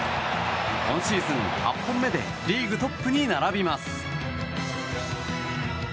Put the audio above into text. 今シーズン８本目でリーグトップに並びます。